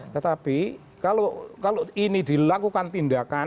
tetapi kalau ini dilakukan tindakan